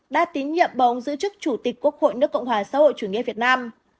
đã tín nhiệm bầu giữ chức chủ tịch quốc hội nước cộng hòa xã hội chủ nghĩa việt nam